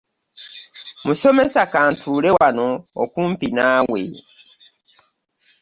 Musomesa ka ntuule wano okumpi naawe.